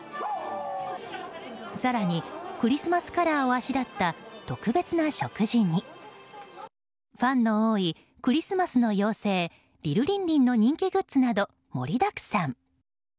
更にクリスマスカラーをあしらった特別な食事にファンの多いクリスマスの妖精リルリンリンの人気グッズなど盛りだくさん。